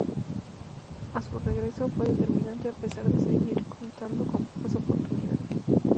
A su regreso fue determinante, a pesar de seguir contando con pocas oportunidades.